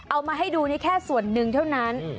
เอามาให้ดูนี่แค่ส่วนหนึ่งเท่านั้น